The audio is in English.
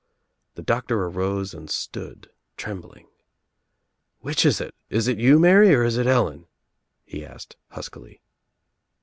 The doctor arose and stood trembling. "Which is it? Is it you Mary or is it Ellen ?" he asked huskily.